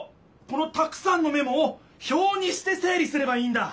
このたくさんのメモをひょうにして整理すればいいんだ！